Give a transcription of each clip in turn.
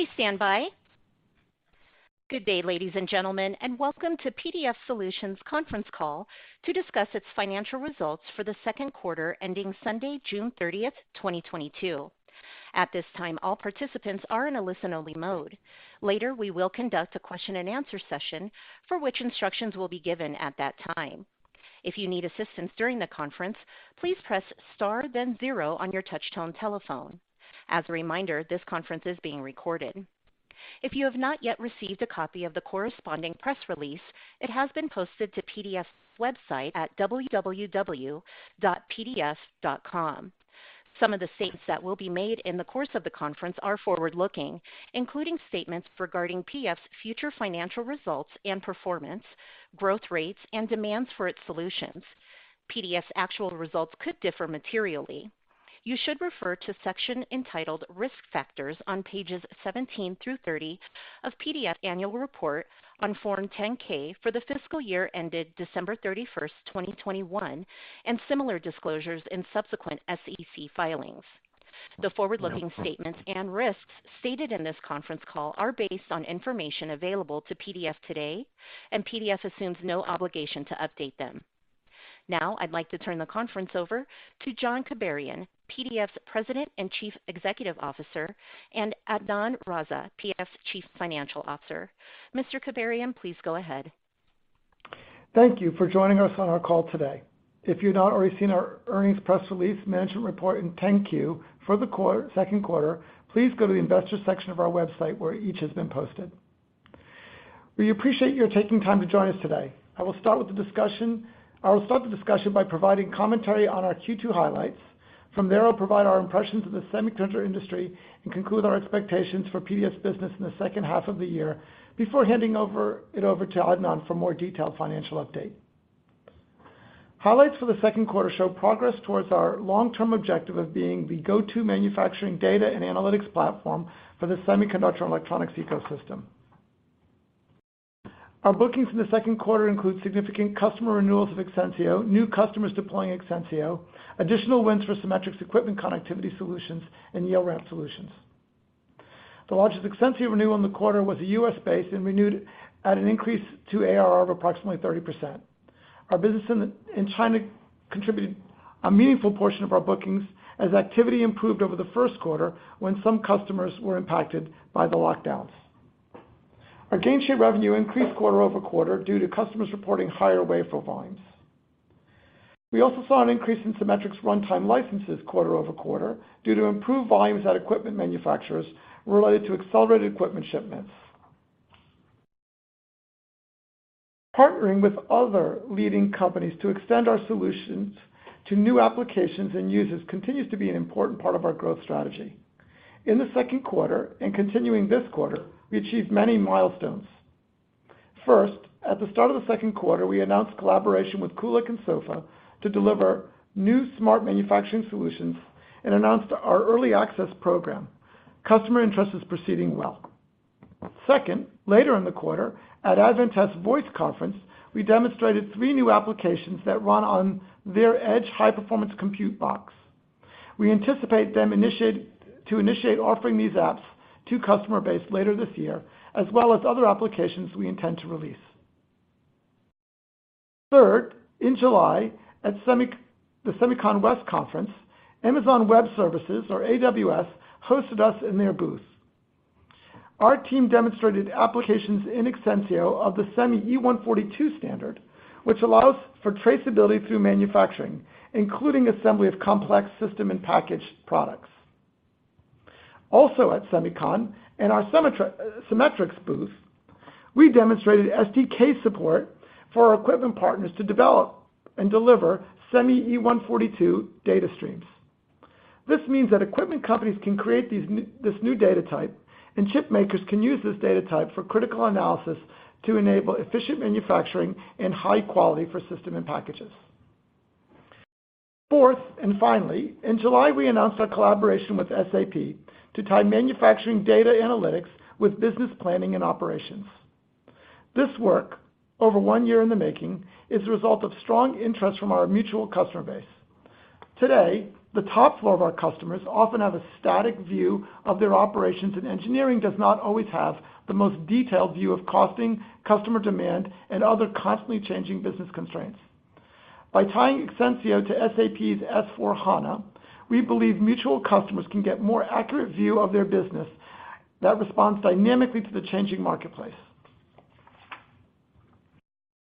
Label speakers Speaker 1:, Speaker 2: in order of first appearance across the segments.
Speaker 1: Please stand by. Good day, ladies and gentlemen, and welcome to PDF Solutions conference call to discuss its financial results for the Q2 ending Sunday, June 30, 2022. At this time, all participants are in a listen-only mode. Later, we will conduct a question and answer session for which instructions will be given at that time. If you need assistance during the conference, please press Star, then zero on your touchtone telephone. As a reminder, this conference is being recorded. If you have not yet received a copy of the corresponding press release, it has been posted to PDF's website at www.pdf.com. Some of the statements that will be made in the course of the conference are forward-looking, including statements regarding PDF's future financial results and performance, growth rates, and demands for its solutions. PDF's actual results could differ materially. You should refer to section entitled Risk Factors on pages 17 through 30 of PDF Annual Report on Form 10-K for the fiscal year ended December 31, 2021, and similar disclosures in subsequent SEC filings. The forward-looking statements and risks stated in this conference call are based on information available to PDF today, and PDF assumes no obligation to update them. Now, I'd like to turn the conference over to John Kibarian, PDF's President and Chief Executive Officer, and Adnan Raza, PDF's Chief Financial Officer. Mr. Kibarian, please go ahead.
Speaker 2: Thank you for joining us on our call today. If you've not already seen our earnings press release management report in 10-Q for the Q2, please go to the investor section of our website, where each has been posted. We appreciate your taking time to join us today. I will start the discussion by providing commentary on our Q2 highlights. From there, I'll provide our impressions of the semiconductor industry and conclude our expectations for PDF's business in the second half of the year before handing it over to Adnan for more detailed financial update. Highlights for the Q2 show progress towards our long-term objective of being the go-to manufacturing data and analytics platform for the semiconductor and electronics ecosystem. Our bookings in the Q2 include significant customer renewals of Exensio, new customers deploying Exensio, additional wins for Cimetrix equipment connectivity solutions, and yield ramp solutions. The largest Exensio renewal in the quarter was a U.S.-based and renewed at an increase to ARR of approximately 30%. Our business in China contributed a meaningful portion of our bookings as activity improved over the Q1 when some customers were impacted by the lockdowns. Our Gainshare revenue increased quarter-over-quarter due to customers reporting higher wafer volumes. We also saw an increase in Cimetrix runtime licenses quarter-over-quarter due to improved volumes at equipment manufacturers related to accelerated equipment shipments. Partnering with other leading companies to extend our solutions to new applications and users continues to be an important part of our growth strategy. In the Q2, and continuing this quarter, we achieved many milestones. First, at the start of the Q2, we announced collaboration with Kulicke & Soffa to deliver new smart manufacturing solutions and announced our early access program. Customer interest is proceeding well. Second, later in the quarter, at Advantest VOICE Developer Conference, we demonstrated three new applications that run on their edge high-performance compute box. We anticipate to initiate offering these apps to customer base later this year, as well as other applications we intend to release. Third, in July, at the SEMICON West Conference, Amazon Web Services, or AWS, hosted us in their booth. Our team demonstrated applications in Exensio of the SEMI E142 standard, which allows for traceability through manufacturing, including assembly of complex system and packaged products. Also at SEMICON, in our Cimetrix booth, we demonstrated SDK support for our equipment partners to develop and deliver SEMI E142 data streams. This means that equipment companies can create this new data type, and chip makers can use this data type for critical analysis to enable efficient manufacturing and high quality for system and packages. Fourth, finally, in July, we announced our collaboration with SAP to tie manufacturing data analytics with business planning and operations. This work, over one year in the making, is the result of strong interest from our mutual customer base. Today, the top floor of our customers often have a static view of their operations, and engineering does not always have the most detailed view of costing, customer demand, and other constantly changing business constraints. By tying Exensio to SAP's S/4HANA, we believe mutual customers can get more accurate view of their business that responds dynamically to the changing marketplace.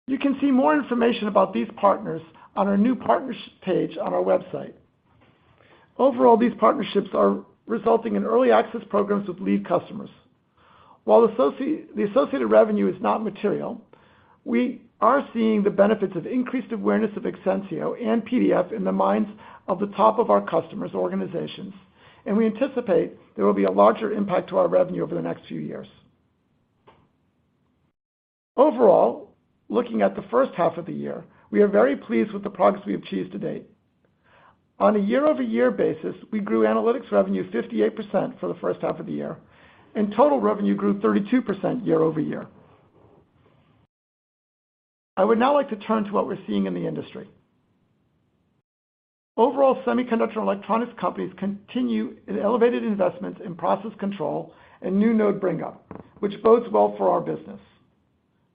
Speaker 2: You can see more information about these partners on our new partnership page on our website. Overall, these partnerships are resulting in early access programs with lead customers. While the associated revenue is not material, we are seeing the benefits of increased awareness of Exensio and PDF in the minds of the top of our customers' organizations, and we anticipate there will be a larger impact to our revenue over the next few years. Overall, looking at the first half of the year, we are very pleased with the progress we have achieved to date. On a year-over-year basis, we grew analytics revenue 58% for the first half of the year, and total revenue grew 32% year-over-year. I would now like to turn to what we're seeing in the industry. Overall, semiconductor and electronics companies continue an elevated investment in process control and new node bring up, which bodes well for our business.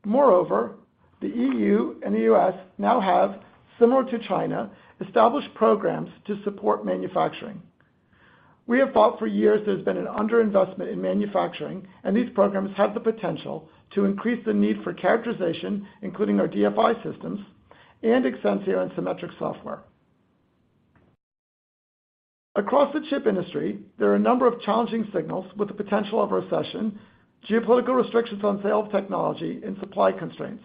Speaker 2: Moreover, the EU and the US now have, similar to China, established programs to support manufacturing. We have fought for years. There's been an under-investment in manufacturing, and these programs have the potential to increase the need for characterization, including our DFI systems and Exensio and Cimetrix software. Across the chip industry, there are a number of challenging signals with the potential of recession, geopolitical restrictions on sales technology, and supply constraints.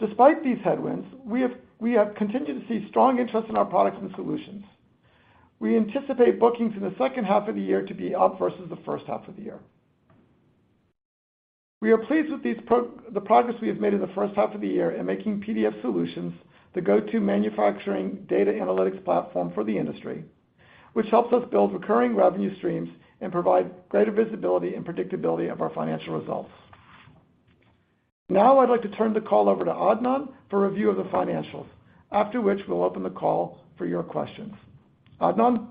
Speaker 2: Despite these headwinds, we have continued to see strong interest in our products and solutions. We anticipate bookings in the second half of the year to be up versus the first half of the year. We are pleased with the progress we have made in the first half of the year in making PDF Solutions the go-to manufacturing data analytics platform for the industry, which helps us build recurring revenue streams and provide greater visibility and predictability of our financial results. Now I'd like to turn the call over to Adnan for review of the financials, after which we'll open the call for your questions. Adnan.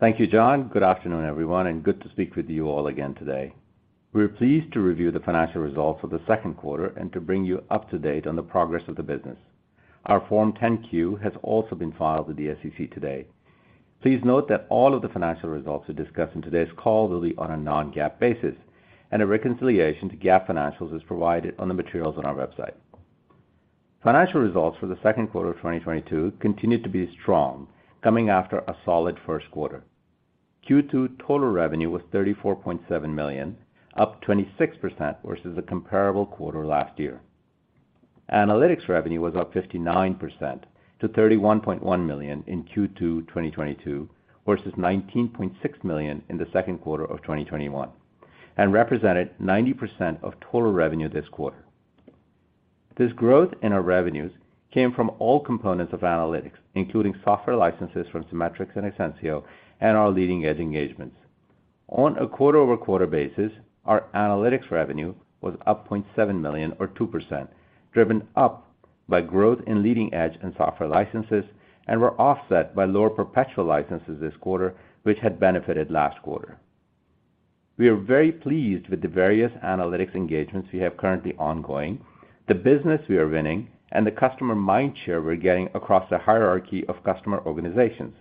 Speaker 3: Thank you, John. Good afternoon, everyone, and good to speak with you all again today. We're pleased to review the financial results for the Q2 and to bring you up to date on the progress of the business. Our Form 10-Q has also been filed with the SEC today. Please note that all of the financial results we discuss in today's call will be on a non-GAAP basis, and a reconciliation to GAAP financials is provided on the materials on our website. Financial results for the Q2 of 2022 continued to be strong, coming after a solid Q1. Q2 total revenue was $34.7 million, up 26% versus the comparable quarter last year. Analytics revenue was up 59% to $31.1 million in Q2 2022 versus $19.6 million in the Q2 of 2021, and represented 90% of total revenue this quarter. This growth in our revenues came from all components of analytics, including software licenses from Cimetrix and Exensio and our leading edge engagements. On a quarter-over-quarter basis, our analytics revenue was up $0.7 million or 2%, driven up by growth in leading edge and software licenses and were offset by lower perpetual licenses this quarter, which had benefited last quarter. We are very pleased with the various analytics engagements we have currently ongoing, the business we are winning, and the customer mindshare we're getting across the hierarchy of customer organizations,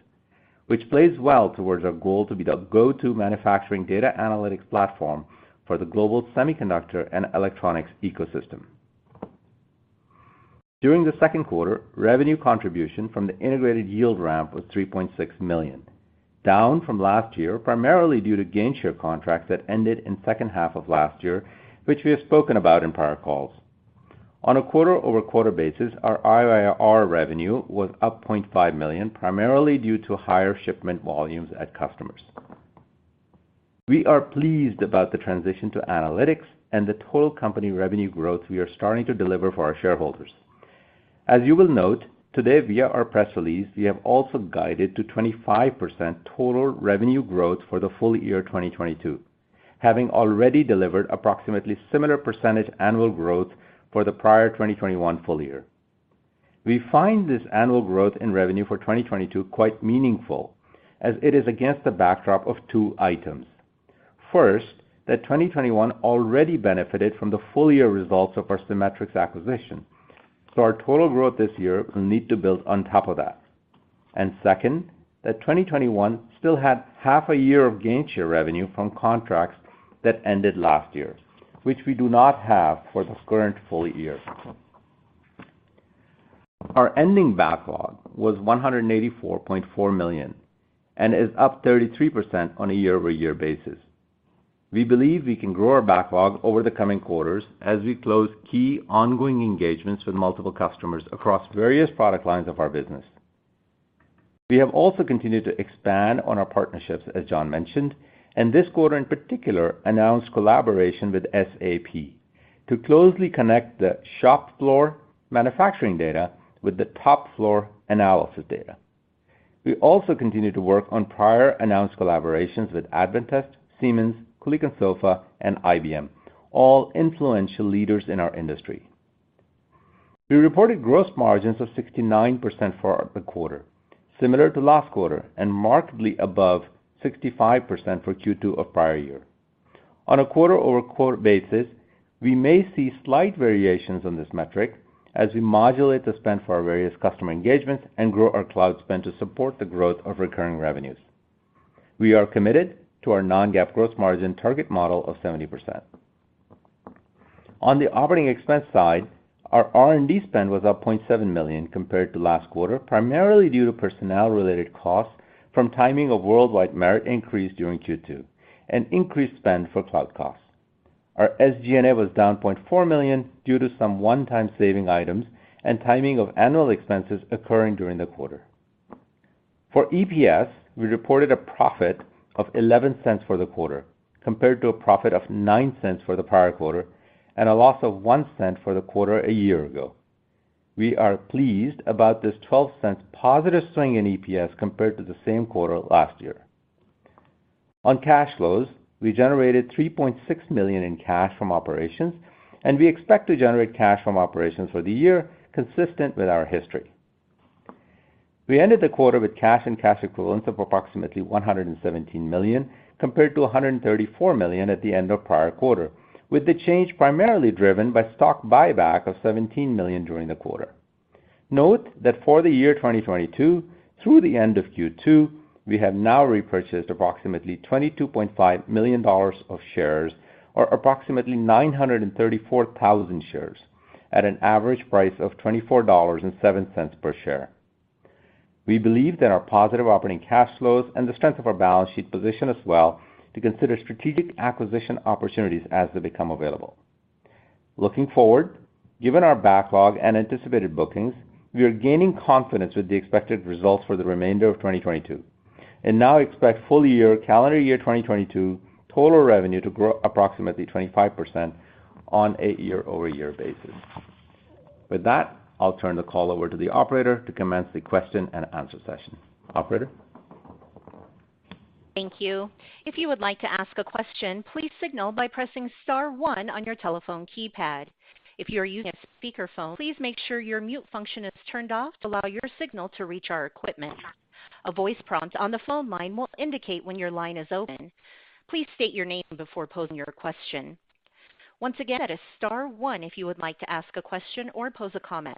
Speaker 3: which plays well towards our goal to be the go-to manufacturing data analytics platform for the global semiconductor and electronics ecosystem. During the Q2, revenue contribution from the Integrated Yield Ramp was $3.6 million, down from last year, primarily due to Gainshare contracts that ended in second half of last year, which we have spoken about in prior calls. On a quarter-over-quarter basis, our IYR revenue was up $0.5 million, primarily due to higher shipment volumes at customers. We are pleased about the transition to analytics and the total company revenue growth we are starting to deliver for our shareholders. As you will note, today via our press release, we have also guided to 25% total revenue growth for the full year, 2022, having already delivered approximately similar percentage annual growth for the prior 2021 full year. We find this annual growth in revenue for 2022 quite meaningful as it is against the backdrop of two items. First, that 2021 already benefited from the full year results of our Cimetrix acquisition, so our total growth this year will need to build on top of that. Second, that 2021 still had half a year of Gainshare revenue from contracts that ended last year, which we do not have for the current full year. Our ending backlog was $184.4 million and is up 33% on a year-over-year basis. We believe we can grow our backlog over the coming quarters as we close key ongoing engagements with multiple customers across various product lines of our business. We have also continued to expand on our partnerships, as John mentioned, and this quarter in particular announced collaboration with SAP to closely connect the shop floor manufacturing data with the top floor analysis data. We also continue to work on prior announced collaborations with Advantest, Siemens, Kulicke & Soffa, and IBM, all influential leaders in our industry. We reported gross margins of 69% for the quarter, similar to last quarter and markedly above 65% for Q2 of prior year. On a quarter-over-quarter basis, we may see slight variations on this metric as we modulate the spend for our various customer engagements and grow our cloud spend to support the growth of recurring revenues. We are committed to our non-GAAP gross margin target model of 70%. On the operating expense side, our R&D spend was up $0.7 million compared to last quarter, primarily due to personnel-related costs from timing of worldwide merit increase during Q2 and increased spend for cloud costs. Our SG&A was down $0.4 million due to some one-time savings items and timing of annual expenses occurring during the quarter. For EPS, we reported a profit of $0.11 for the quarter, compared to a profit of $0.09 for the prior quarter and a loss of $0.01 for the quarter a year ago. We are pleased about this $0.12 positive swing in EPS compared to the same quarter last year. On cash flows, we generated $3.6 million in cash from operations, and we expect to generate cash from operations for the year consistent with our history. We ended the quarter with cash and cash equivalents of approximately $117 million, compared to $134 million at the end of prior quarter, with the change primarily driven by stock buyback of $17 million during the quarter. Note that for the year 2022, through the end of Q2, we have now repurchased approximately $22.5 million of shares, or approximately 934,000 shares at an average price of $24.07 per share. We believe that our positive operating cash flows and the strength of our balance sheet position us well to consider strategic acquisition opportunities as they become available. Looking forward, given our backlog and anticipated bookings, we are gaining confidence with the expected results for the remainder of 2022, and now expect full year, calendar year, 2022 total revenue to grow approximately 25% on a year-over-year basis. With that, I'll turn the call over to the operator to commence the question and answer session. Operator?
Speaker 1: Thank you. If you would like to ask a question, please signal by pressing star one on your telephone keypad. If you are using a speakerphone, please make sure your mute function is turned off to allow your signal to reach our equipment. A voice prompt on the phone line will indicate when your line is open. Please state your name before posing your question. Once again, that is star one if you would like to ask a question or pose a comment,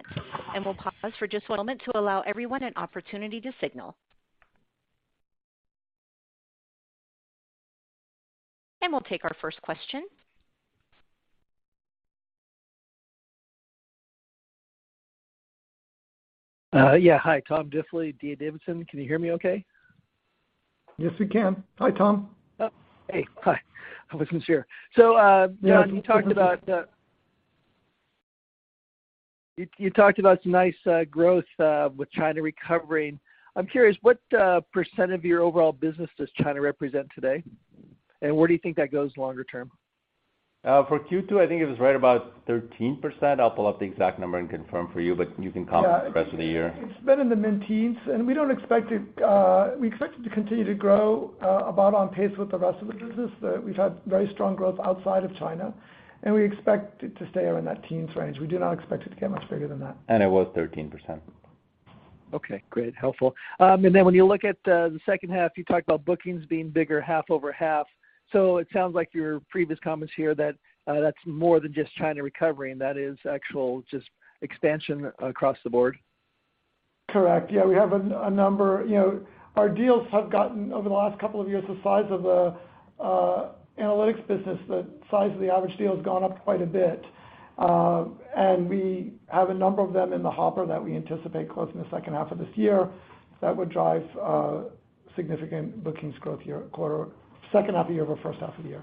Speaker 1: and we'll pause for just one moment to allow everyone an opportunity to signal. We'll take our first question.
Speaker 4: Yeah. Hi, Tom Diffely, D.A. Davidson. Can you hear me okay?
Speaker 2: Yes, we can. Hi, Tom.
Speaker 4: Hey. Hi. How is this year?
Speaker 2: Yeah.
Speaker 4: John, you talked about some nice growth with China recovering. I'm curious, what percent of your overall business does China represent today? And where do you think that goes longer term?
Speaker 3: For Q2, I think it was right about 13%. I'll pull up the exact number and confirm for you, but you can comment for the rest of the year.
Speaker 2: Yeah, it's been in the mid-teens, and we expect it to continue to grow about on pace with the rest of the business. We've had very strong growth outside of China, and we expect it to stay around that teens range. We do not expect it to get much bigger than that.
Speaker 3: It was 13%.
Speaker 4: Okay, great. Helpful. When you look at the second half, you talked about bookings being bigger half-over-half. It sounds like your previous comments here that that's more than just China recovering, that is actually just expansion across the board.
Speaker 2: Correct. Yeah. We have a number. You know, our deals have gotten, over the last couple of years, the size of the analytics business, the size of the average deal has gone up quite a bit. We have a number of them in the hopper that we anticipate closing the second half of this year that would drive significant bookings growth second half of the year over first half of the year.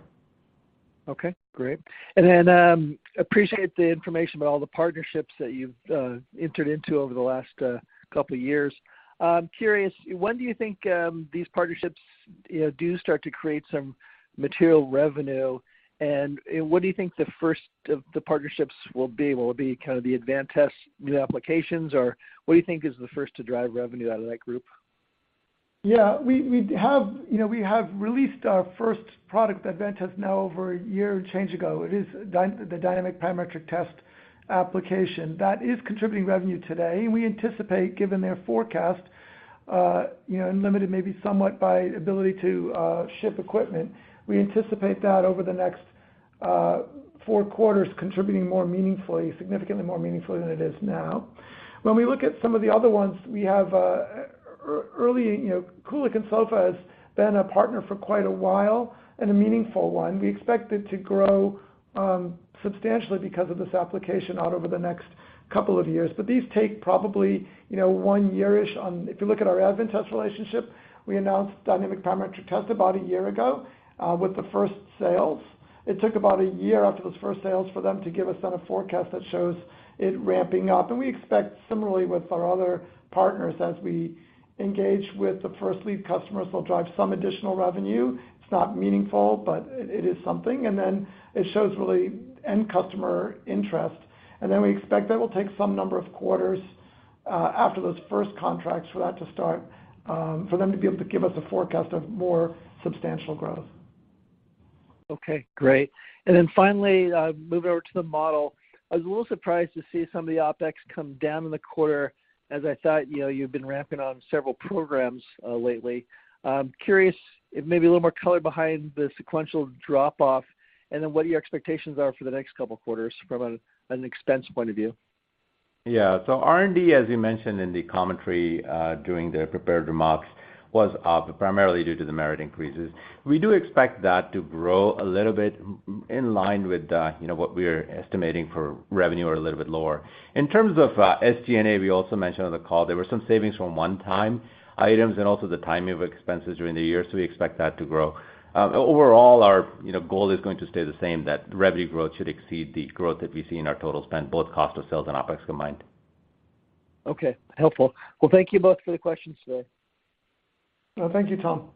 Speaker 4: Okay, great. I appreciate the information about all the partnerships that you've entered into over the last couple of years. I'm curious, when do you think these partnerships, you know, do start to create some material revenue? What do you think the first of the partnerships will be? Will it be kind of the Advantest new applications, or what do you think is the first to drive revenue out of that group?
Speaker 2: Yeah. We have released our first product with Advantest now over a year and change ago. It is the Dynamic Parametric Test application. That is contributing revenue today, and we anticipate, given their forecast, you know, and limited maybe somewhat by ability to ship equipment, we anticipate that over the next four quarters contributing more meaningfully, significantly more meaningfully than it is now. When we look at some of the other ones, we have early, you know, Kulicke & Soffa has been a partner for quite a while, and a meaningful one. We expect it to grow substantially because of this application out over the next couple of years. These take probably, you know, one year-ish. If you look at our Advantest relationship, we announced Dynamic Parametric Test about a year ago with the first sales. It took about a year after those first sales for them to give us then a forecast that shows it ramping up. We expect similarly with our other partners as we engage with the first lead customers, they'll drive some additional revenue. It's not meaningful, but it is something. Then it shows really end customer interest. Then we expect that will take some number of quarters after those first contracts for that to start for them to be able to give us a forecast of more substantial growth.
Speaker 4: Okay, great. Finally, moving over to the model. I was a little surprised to see some of the OpEx come down in the quarter as I thought, you know, you've been ramping on several programs lately. I'm curious if maybe a little more color behind the sequential drop-off, and then what your expectations are for the next couple quarters from an expense point of view.
Speaker 3: Yeah. R&D, as you mentioned in the commentary, during the prepared remarks, was up primarily due to the merit increases. We do expect that to grow a little bit in line with, you know, what we're estimating for revenue or a little bit lower. In terms of SG&A, we also mentioned on the call there were some savings from one-time items and also the timing of expenses during the year, so we expect that to grow. Overall our, you know, goal is going to stay the same, that revenue growth should exceed the growth that we see in our total spend, both cost of sales and OpEx combined.
Speaker 4: Okay, helpful. Well, thank you both for the questions today.
Speaker 2: Well, thank you, Tom.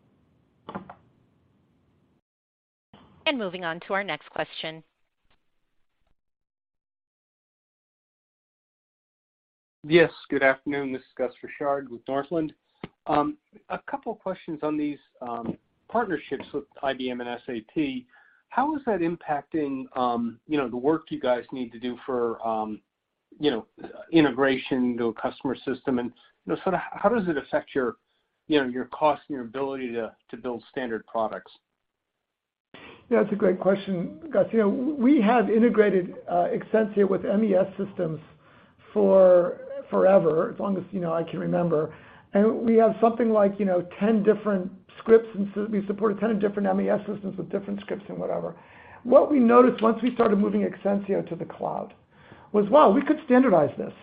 Speaker 1: Moving on to our next question.
Speaker 5: Yes, good afternoon. This is Gus Richard with Northland. A couple questions on these partnerships with IBM and SAP. How is that impacting, you know, the work you guys need to do for, you know, integration to a customer system? And, you know, sort of how does it affect your, you know, your cost and your ability to build standard products?
Speaker 2: Yeah, that's a great question, Gus. You know, we have integrated Exensio with MES systems for forever, as long as, you know, I can remember. We have something like, you know, 10 different scripts, and we support 10 different MES systems with different scripts and whatever. What we noticed once we started moving Exensio to the cloud was, wow, we could standardize this.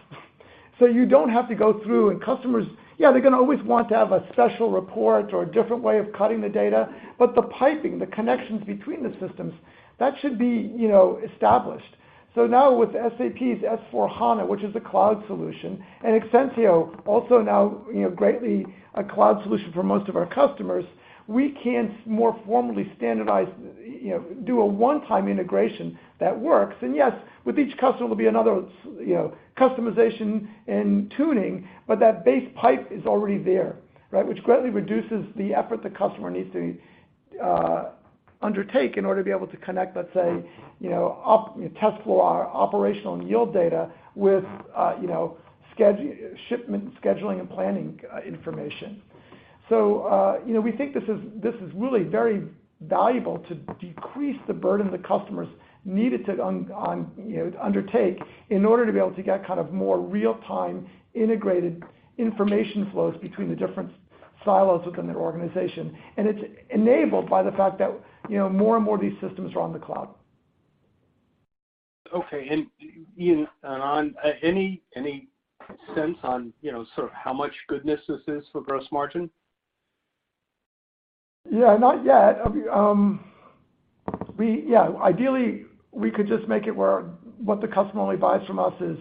Speaker 2: You don't have to go through, and customers, yeah, they're gonna always want to have a special report or a different way of cutting the data, but the piping, the connections between the systems, that should be, you know, established. Now with SAP's S/4HANA, which is a cloud solution, and Exensio also now, you know, greatly a cloud solution for most of our customers, we can more formally standardize, you know, do a one-time integration that works. Yes, with each customer, there'll be another you know, customization and tuning, but that base pipe is already there, right? Which greatly reduces the effort the customer needs to undertake in order to be able to connect, let's say, you know, test flow our operational and yield data with you know, shipment scheduling and planning information. We think this is really very valuable to decrease the burden the customers needed to you know, undertake in order to be able to get kind of more real time integrated information flows between the different silos within their organization. It's enabled by the fact that you know, more and more of these systems are on the cloud.
Speaker 5: Okay. Ian, on any sense on, you know, sort of how much goodness this is for gross margin?
Speaker 2: Yeah, not yet. Yeah, ideally, we could just make it where what the customer only buys from us is,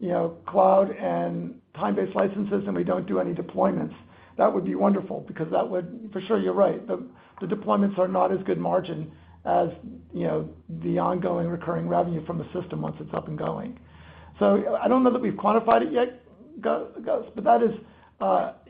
Speaker 2: you know, cloud and time-based licenses, and we don't do any deployments. That would be wonderful because that would. For sure, you're right. The deployments are not as good margin as, you know, the ongoing recurring revenue from the system once it's up and going. I don't know that we've quantified it yet, Gus, but that is,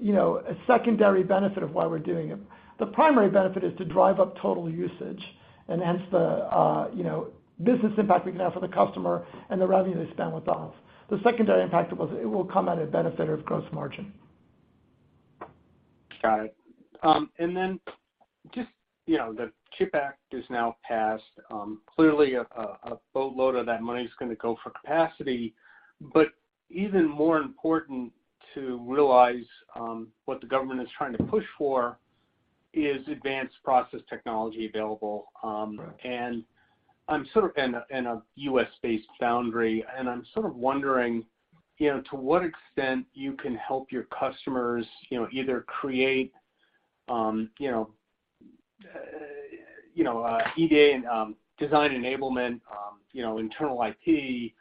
Speaker 2: you know, a secondary benefit of why we're doing it. The primary benefit is to drive up total usage and hence the, you know, business impact we can have for the customer and the revenue they spend with us. The secondary impact was it will come at a benefit of gross margin.
Speaker 5: Got it. Just, you know, the CHIPS Act is now passed. Clearly a boatload of that money is gonna go for capacity. Even more important to realize what the government is trying to push for is advanced process technology available.
Speaker 2: Right
Speaker 5: Sort of in a U.S.-based foundry. I'm sort of wondering, you know, to what extent you can help your customers, you know, either create, you know, EDA and design enablement, you know, internal IT.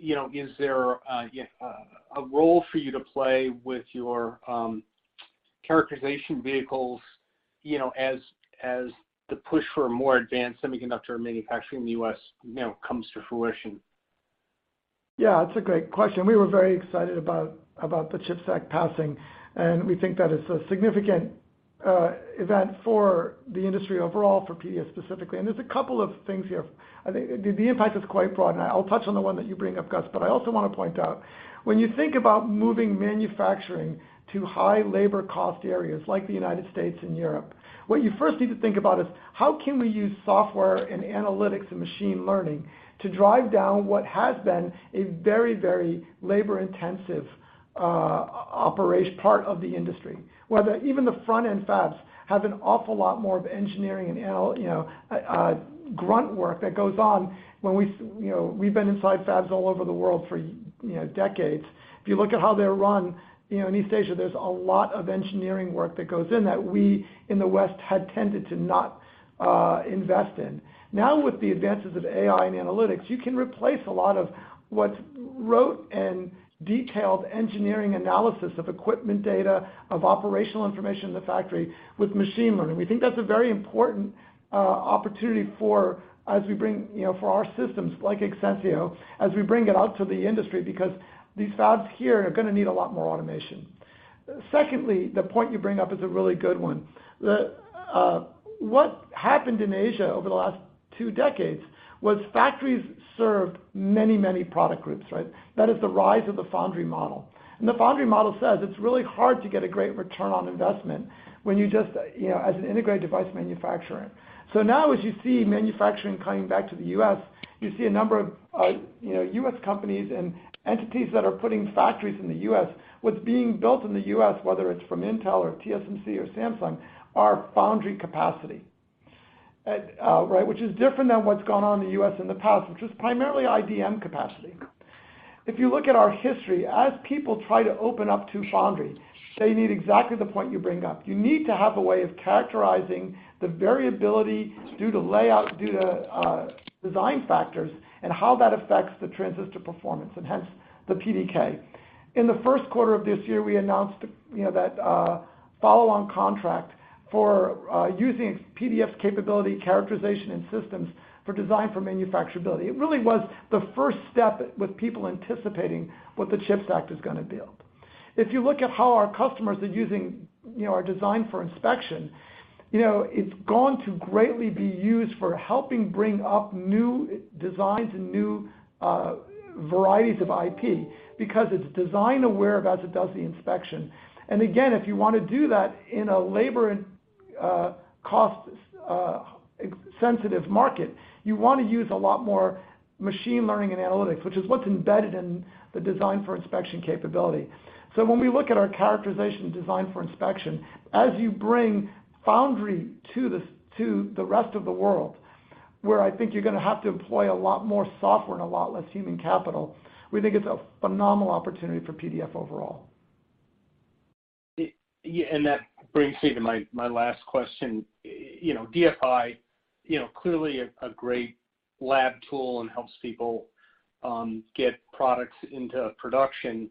Speaker 5: You know, is there a role for you to play with your characterization vehicles, you know, as the push for more advanced semiconductor manufacturing in the U.S., you know, comes to fruition?
Speaker 2: Yeah, that's a great question. We were very excited about the CHIPS Act passing, and we think that it's a significant event for the industry overall, for PD specifically. There's a couple of things here. I think the impact is quite broad, and I'll touch on the one that you bring up, Gus. I also wanna point out, when you think about moving manufacturing to high labor cost areas like the United States and Europe, what you first need to think about is how can we use software and analytics and machine learning to drive down what has been a very, very labor-intensive part of the industry, where even the front-end fabs have an awful lot more of engineering and grunt work that goes on when we... You know, we've been inside fabs all over the world for, you know, decades. If you look at how they're run, you know, in East Asia, there's a lot of engineering work that goes in that we in the West had tended to not invest in. Now, with the advances of AI and analytics, you can replace a lot of what's rote and detailed engineering analysis of equipment data, of operational information in the factory with machine learning. We think that's a very important opportunity for us as we bring, you know, for our systems, like Exensio, as we bring it out to the industry because these fabs here are gonna need a lot more automation. Secondly, the point you bring up is a really good one. What happened in Asia over the last two decades was factories served many, many product groups, right? That is the rise of the foundry model. The foundry model says it's really hard to get a great return on investment when you just, you know, as an integrated device manufacturer. Now as you see manufacturing coming back to the U.S., you see a number of, you know, U.S. companies and entities that are putting factories in the U.S. What's being built in the U.S., whether it's from Intel or TSMC or Samsung, are foundry capacity. Right? Which is different than what's gone on in the U.S. in the past, which was primarily IDM capacity. If you look at our history, as people try to open up to foundry, they need exactly the point you bring up. You need to have a way of characterizing the variability due to layout, due to, design factors and how that affects the transistor performance and hence the PDK. In the Q1 of this year, we announced, you know, that, follow-on contract for, using PDF's capability, characterization, and systems for design for manufacturability. It really was the first step with people anticipating what the CHIPS Act is gonna build. If you look at how our customers are using, you know, our design for inspection, you know, it's going to greatly be used for helping bring up new designs and new, varieties of IP because it's design aware of as it does the inspection. Again, if you wanna do that in a labor and cost sensitive market, you wanna use a lot more machine learning and analytics, which is what's embedded in the design for inspection capability. When we look at our characterization design for inspection, as you bring foundry to the rest of the world, where I think you're gonna have to employ a lot more software and a lot less human capital, we think it's a phenomenal opportunity for PDF overall.
Speaker 5: That brings me to my last question. You know, DFI, you know, clearly a great lab tool and helps people get products into production.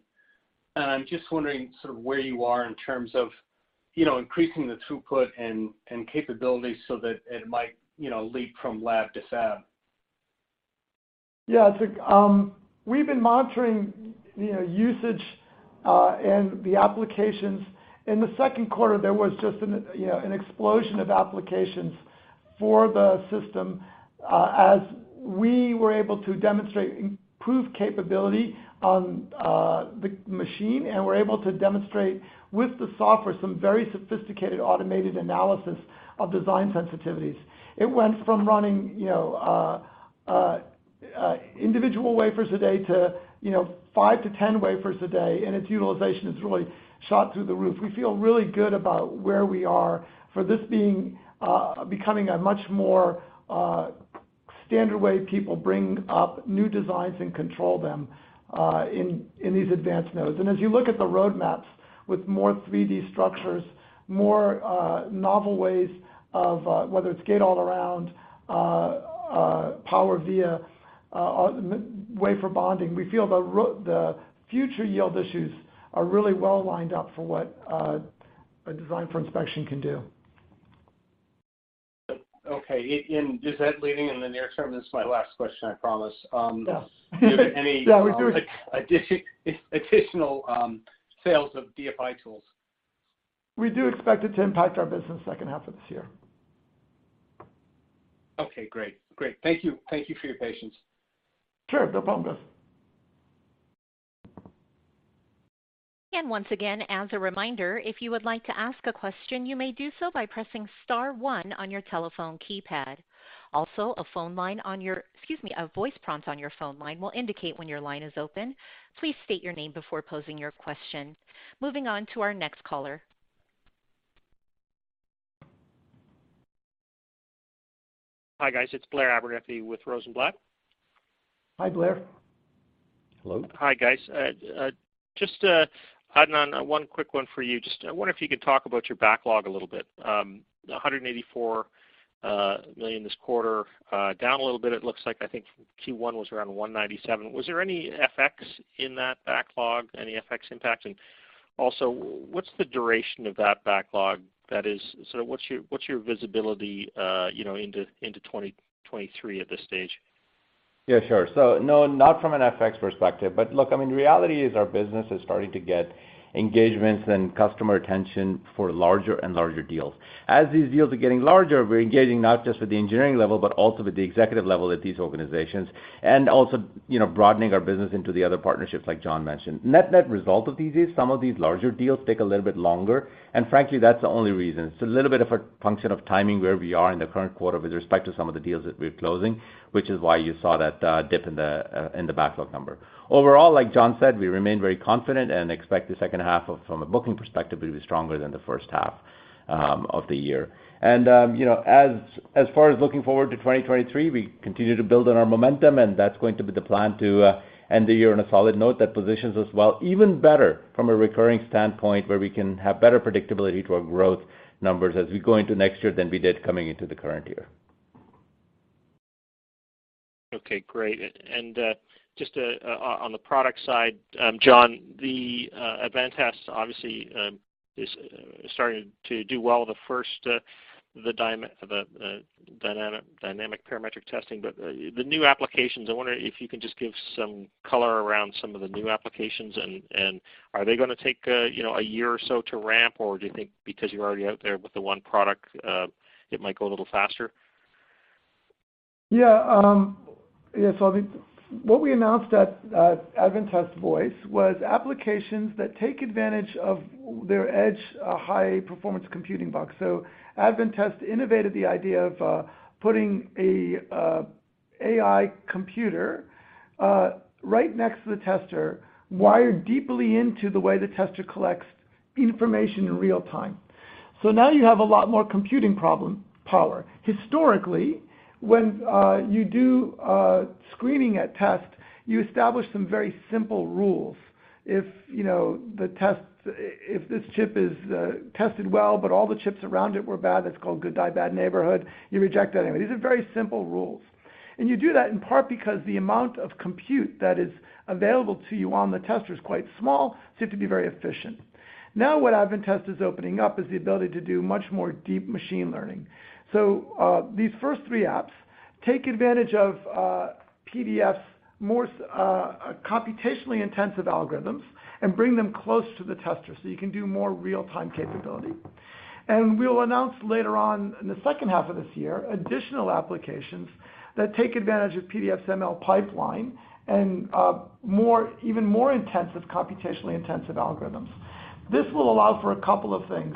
Speaker 5: I'm just wondering sort of where you are in terms of, you know, increasing the throughput and capabilities so that it might, you know, leap from lab to fab.
Speaker 2: Yeah. We've been monitoring, you know, usage, and the applications. In the Q2, there was just an explosion of applications for the system, as we were able to demonstrate improved capability on the machine and were able to demonstrate with the software some very sophisticated automated analysis of design sensitivities. It went from running, you know, individual wafers a day to, you know, 5-10 wafers a day, and its utilization has really shot through the roof. We feel really good about where we are for this being becoming a much more standard way people bring up new designs and control them in these advanced nodes. As you look at the roadmaps with more 3D structures, more novel ways of whether it's gate-all-around, PowerVia, wafer bonding, we feel the future yield issues are really well lined up for what a design for inspection can do.
Speaker 5: Okay. Is that leading in the near term? This is my last question, I promise.
Speaker 2: Yes.
Speaker 5: Do any- Yeah, we do. Additional sales of DFI tools.
Speaker 2: We do expect it to impact our business second half of this year.
Speaker 5: Okay, great. Thank you for your patience.
Speaker 2: Sure. No problem.
Speaker 1: Once again, as a reminder, if you would like to ask a question, you may do so by pressing star one on your telephone keypad. Also, a voice prompt on your phone line will indicate when your line is open. Please state your name before posing your question. Moving on to our next caller.
Speaker 6: Hi, guys. It's Blair Abernethy with Rosenblatt.
Speaker 2: Hi, Blair.
Speaker 3: Hello.
Speaker 6: Hi, guys. Just, Adnan, one quick one for you. Just, I wonder if you could talk about your backlog a little bit. $184 million this quarter, down a little bit, it looks like. I think Q1 was around $197. Was there any FX in that backlog? Any FX impact? Also, what's the duration of that backlog? That is, what's your visibility, you know, into 2023 at this stage?
Speaker 3: Yeah, sure. No, not from an FX perspective. Look, I mean, the reality is our business is starting to get engagements and customer attention for larger and larger deals. As these deals are getting larger, we're engaging not just with the engineering level, but also with the executive level at these organizations, and also, you know, broadening our business into the other partnerships like John mentioned. Net net result of these is some of these larger deals take a little bit longer, and frankly, that's the only reason. It's a little bit of a function of timing where we are in the current quarter with respect to some of the deals that we're closing, which is why you saw that dip in the backlog number. Overall, like John said, we remain very confident and expect the second half, from a booking perspective, to be stronger than the first half of the year. You know, as far as looking forward to 2023, we continue to build on our momentum, and that's going to be the plan to end the year on a solid note that positions us well even better from a recurring standpoint, where we can have better predictability to our growth numbers as we go into next year than we did coming into the current year.
Speaker 6: Okay, great. Just on the product side, John, Advantest obviously is starting to do well. The first, the dynamic parametric testing. The new applications, I wonder if you can just give some color around some of the new applications and are they gonna take, you know, a year or so to ramp, or do you think because you're already out there with the one product, it might go a little faster?
Speaker 2: Yeah. Yeah. I think what we announced at Advantest Voice was applications that take advantage of their edge high-performance computing box. Advantest innovated the idea of putting a AI computer right next to the tester, wired deeply into the way the tester collects information in real time. Now you have a lot more computing power. Historically, when you do screening at test, you establish some very simple rules. If you know, if this chip is tested well, but all the chips around it were bad, that's called good die, bad neighborhood, you reject that anyway. These are very simple rules. You do that in part because the amount of compute that is available to you on the tester is quite small, so you have to be very efficient. Now, what Advantest is opening up is the ability to do much more deep machine learning. These first three apps take advantage of PDF's more computationally intensive algorithms and bring them close to the tester so you can do more real-time capability. We'll announce later on in the second half of this year, additional applications that take advantage of PDF's ML pipeline and more, even more computationally intensive algorithms. This will allow for a couple of things.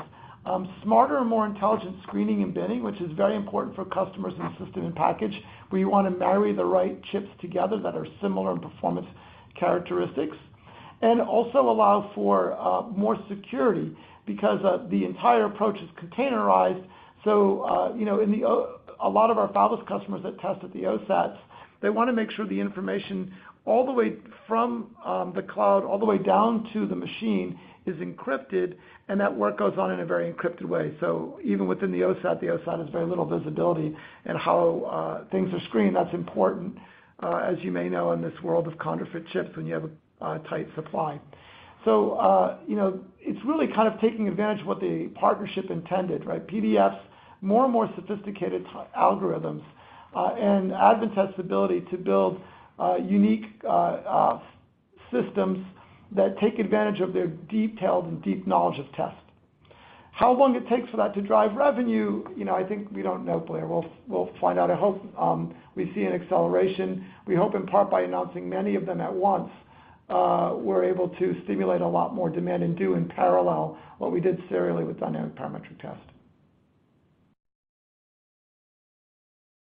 Speaker 2: Smarter and more intelligent screening and binning, which is very important for customers in system and package, where you wanna marry the right chips together that are similar in performance characteristics. Also allow for more security because the entire approach is containerized. You know, in a lot of our fabless customers that test at the OSATs, they wanna make sure the information all the way from the cloud, all the way down to the machine is encrypted, and that work goes on in a very encrypted way. Even within the OSAT, the OSAT has very little visibility in how things are screened. That's important, as you may know, in this world of counterfeit chips when you have a tight supply. You know, it's really kind of taking advantage of what the partnership intended, right? PDF's more and more sophisticated algorithms and Advantest's ability to build unique systems that take advantage of their detailed and deep knowledge of test. How long it takes for that to drive revenue, you know, I think we don't know, Blair. We'll find out. I hope we see an acceleration. We hope, in part, by announcing many of them at once, we're able to stimulate a lot more demand and do in parallel what we did serially with Dynamic Parametric Test.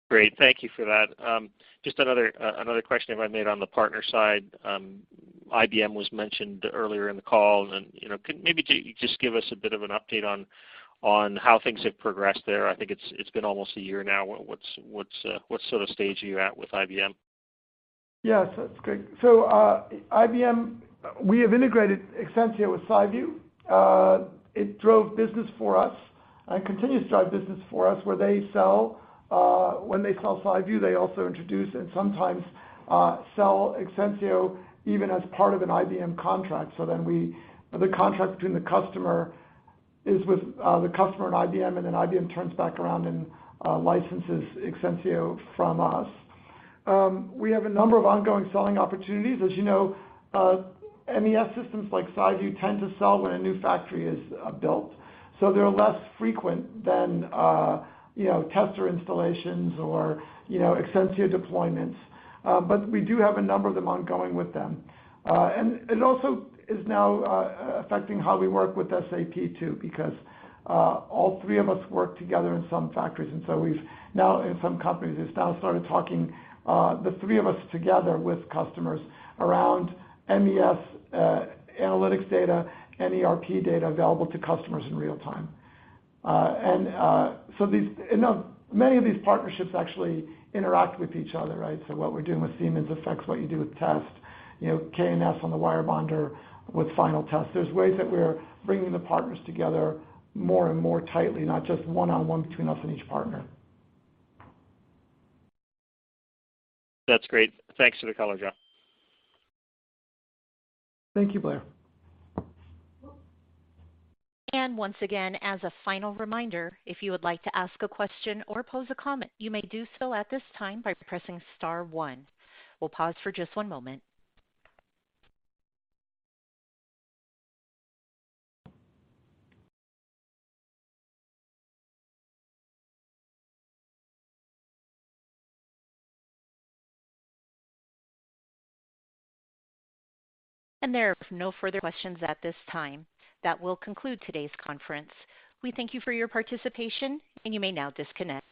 Speaker 6: Great. Thank you for that. Just another question if I might on the partner side. IBM was mentioned earlier in the call. You know, can maybe just give us a bit of an update on how things have progressed there. I think it's been almost a year now. What sort of stage are you at with IBM?
Speaker 2: Yes, that's great. IBM, we have integrated Exensio with SiView. It drove business for us and continues to drive business for us, where they sell, when they sell SiView, they also introduce and sometimes sell Exensio even as part of an IBM contract. The contract between the customer is with the customer and IBM, and then IBM turns back around and licenses Exensio from us. We have a number of ongoing selling opportunities. As you know, MES systems like SiView tend to sell when a new factory is built. They're less frequent than, you know, tester installations or, you know, Exensio deployments. But we do have a number of them ongoing with them. It also is now affecting how we work with SAP too, because all three of us work together in some factories. We've now, in some companies, started talking the three of us together with customers around MES analytics data and ERP data available to customers in real time. These partnerships actually interact with each other, right? What we're doing with Siemens affects what you do with test. You know, K&S on the wire bonder with final test. There's ways that we're bringing the partners together more and more tightly, not just one-on-one between us and each partner.
Speaker 6: That's great. Thanks for the color, John.
Speaker 2: Thank you, Blair.
Speaker 1: Once again, as a final reminder, if you would like to ask a question or pose a comment, you may do so at this time by pressing star one. We'll pause for just one moment. There are no further questions at this time. That will conclude today's conference. We thank you for your participation, and you may now disconnect.